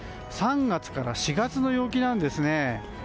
３月から４月の陽気なんですね。